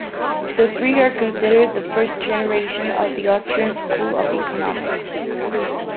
The three are considered the first generation of the Austrian School of Economics.